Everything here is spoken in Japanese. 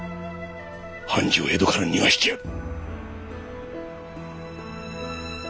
半次を江戸から逃がしてやる。